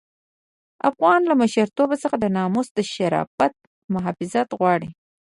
افغانان له مشرتوب څخه د ناموس د شرافت محافظت غواړي.